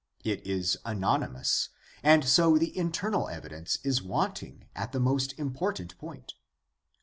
It is anonymous, and so the internal evidence is wanting at the most important point.